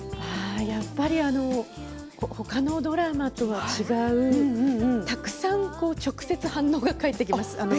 やっぱりほかのドラマとは違うたくさん直接、反応が返ってきます。